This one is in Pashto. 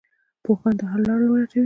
پوهان د حل لاره ولټوي.